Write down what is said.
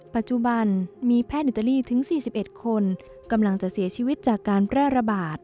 ปัจจุบันมีแพทย์อิตาลีถึง๔๑คนกำลังจะเสียชีวิตจากการแพร่ระบาด